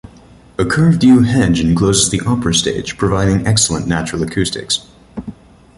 A curved yew hedge encloses the opera stage, providing excellent natural acoustics.